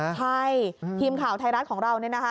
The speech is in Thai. ใช่ทีมข่าวไทยรัฐของเราเนี่ยนะคะ